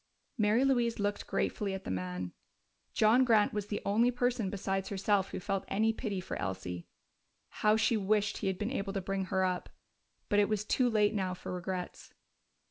Mary Louise looked gratefully at the man: John Grant was the only person besides herself who felt any pity for Elsie. How she wished he had been able to bring her up!... But it was too late now for regrets.